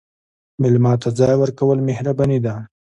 مېلمه ته ځای ورکول مهرباني ده.